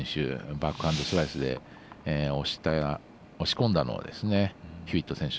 バックハンドスライスで押し込んだのをヒューウェット選手